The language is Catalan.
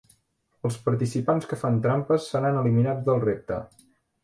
Els participants que fan trampes seran eliminats del repte.